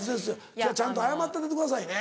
今日はちゃんと謝ってあげてくださいね。